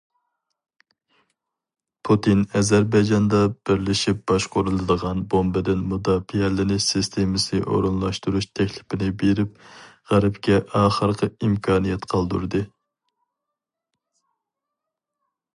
پۇتىن ئەزەربەيجاندا بىرلىشىپ باشقۇرۇلىدىغان بومبىدىن مۇداپىئەلىنىش سىستېمىسى ئورۇنلاشتۇرۇش تەكلىپىنى بېرىپ، غەربكە ئاخىرقى ئىمكانىيەت قالدۇردى.